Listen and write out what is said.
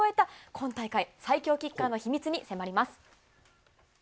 今大会最強キッカーの秘密に迫ります。